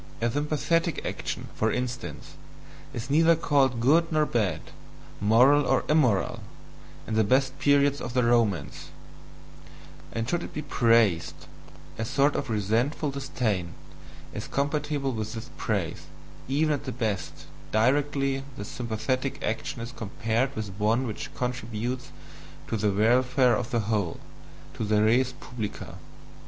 A sympathetic action, for instance, is neither called good nor bad, moral nor immoral, in the best period of the Romans; and should it be praised, a sort of resentful disdain is compatible with this praise, even at the best, directly the sympathetic action is compared with one which contributes to the welfare of the whole, to the RES PUBLICA.